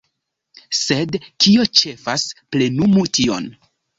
Sed kio ĉefas – plenumu tion.